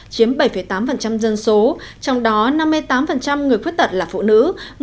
chiếm bảy tám dân số trong đó năm mươi tám người khuyết tật là phụ nữ